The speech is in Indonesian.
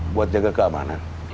buat jaga keamanan